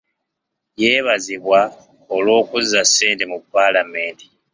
Yeebazibwa olw'okuzza ssente mu paalamenti.